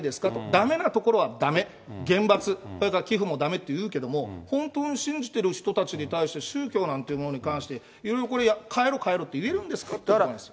だめなところはだめ、厳罰、それから寄付もだめっていうけれども、本当に信じてる人たちに対して、宗教なんていうものに関して、異論変えろ変えろって、言えるんですかっていってるんです。